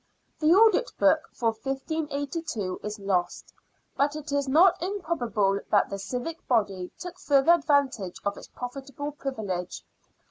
The audit book for 1582 is lost, but it is not improbable that the civic body took further advantage of its profitable privilege.